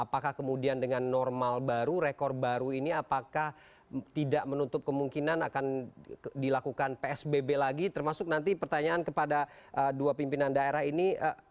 apakah kemudian dengan normal baru rekor baru ini apakah tidak menutup kemungkinan akan dilakukan psbb lagi termasuk nanti pertanyaan kepada dua pimpinan daerah ini